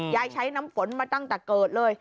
ใช้น้ำฝนมาตั้งแต่เกิดเลย